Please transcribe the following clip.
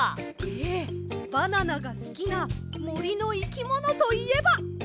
ええバナナがすきなもりのいきものといえば。